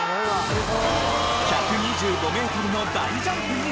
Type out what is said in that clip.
１２５メートルの大ジャンプに成功！